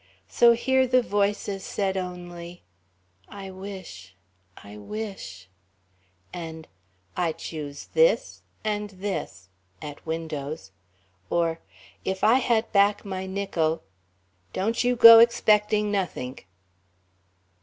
So here the voices said only, "I wish I wish," and "I choose this and this," at windows; or, "If I had back my nickel...." "Don't you go expecting nothink!"